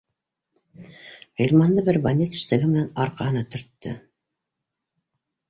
Ғилманды бер бандит штыгы менән арҡаһына төрттө.